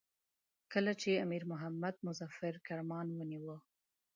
کله چې امیر محمد مظفر کرمان ونیوی.